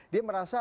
dia merasa bahwa